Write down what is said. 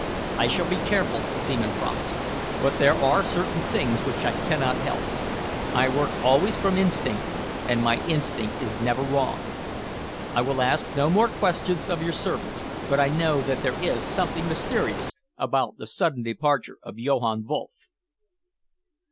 "I shall be careful," Seaman promised, "but there are certain things which I cannot help. I work always from instinct, and my instinct is never wrong. I will ask no more questions of your servants, but I know that there is something mysterious about the sudden departure of Johann Wolff."